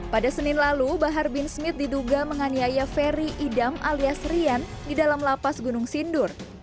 pada senin lalu bahar bin smith diduga menganiaya ferry idam alias rian di dalam lapas gunung sindur